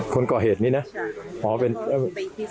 คือเขาอยู่ข้างบ้านอืมอืม